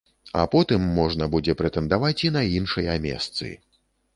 А потым можна будзе прэтэндаваць і на іншыя месцы.